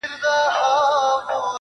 زما په خيال هري انجلۍ ته گوره,